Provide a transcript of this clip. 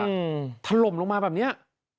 ถล่มลงมาแบบเนี้ย